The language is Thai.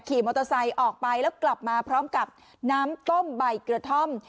ขี่มอเตอร์ไซค์ออกไปแล้วกลับมาพร้อมกับน้ำต้มใบกระท่อม